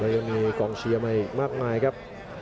ยังมีกองเชียร์มาอีกมากมายครับ